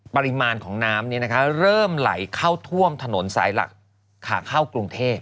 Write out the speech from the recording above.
ปริมาณของน้ำเริ่มไหลเข้าท่วมถนนสายหลักขาเข้ากรุงเทพ